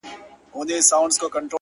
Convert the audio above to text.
o نفیب ټول ژوند د غُلامانو په رکم نیسې؛